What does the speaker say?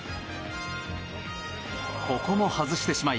ここも外してしまい